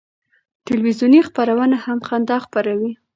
تلویزیوني خپرونه هم خندا خپروي.